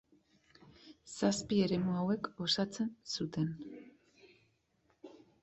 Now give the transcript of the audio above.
Zazpi eremu hauek osatzen zuten.